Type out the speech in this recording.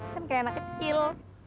kan kayak anak kecil